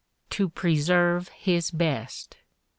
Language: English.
To preserve his best!